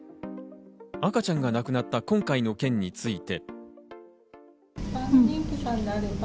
赤ちゃんが亡くなった今回の件について。